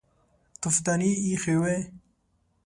تفدانۍ ايښې وې.